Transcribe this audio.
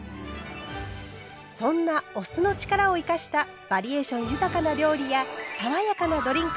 そんなお酢の力を生かしたバリエーション豊かな料理や爽やかなドリンク